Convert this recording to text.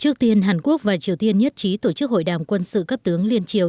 trước tiên hàn quốc và triều tiên nhất trí tổ chức hội đàm quân sự cấp tướng liên triều